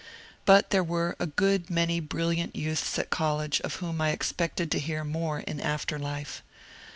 But there were a good many brilliant youths at college of whom I ex pected to hear more in after life.